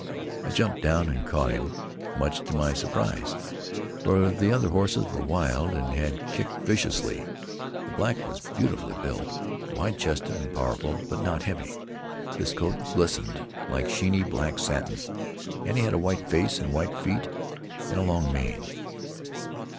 I jumped down and caught him, much to my surprise, for the other horses were wild, and had kicked viciously. The black was beautifully built, wide chested and powerful, but not heavy. His coat glistened like sheeny black satin, and he had a white face and white feet and a long mane.